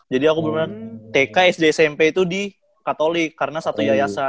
jadi aku bener bener tk sd smp itu di katolik karena satu yayasan